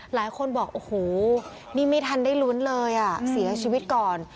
หลายคนบอกโอ้โหนี่ไม่ทันได้ลุ้นเลยอ่ะเสียชีวิตก่อน